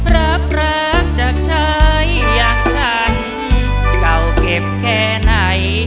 รับรักจากชายอย่างฉันเก่าเก็บแค่ไหน